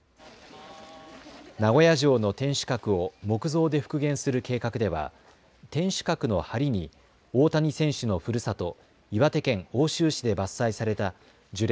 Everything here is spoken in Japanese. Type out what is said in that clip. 名古屋城の天守閣を木造で復元する計画では天守閣のはりに大谷選手のふるさと、岩手県奥州市で伐採された樹齢